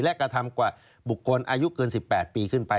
และกระทำกว่าบุคคลอายุเกิน๑๘ปีขึ้นไป